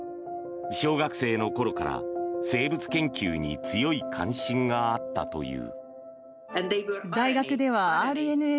小学生の頃から、生物研究に強い関心があったという。